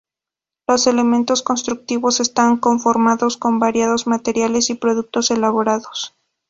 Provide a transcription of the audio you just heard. Los elementos constructivos están conformados con variados materiales y productos elaborados.